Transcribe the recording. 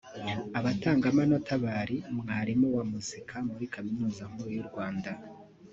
Abatangamanota bari Mwalimu wa muzika muri Kaminuza Nkuru y’u Rwanda